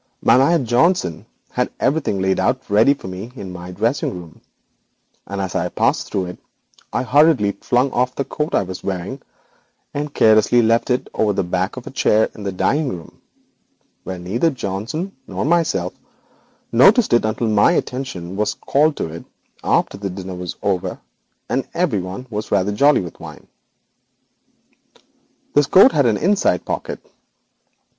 My man Johnson had everything laid out ready for me in my dressing room, and as I passed through to it I hurriedly flung off the coat I was wearing and carelessly left it hanging over the back of a chair in the dining room, where neither Johnson nor myself noticed it until my attention was called to it after the dinner was over, and everyone rather jolly with wine. 'This coat contains an inside pocket.